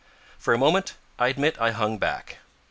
For a moment I admit I hung back.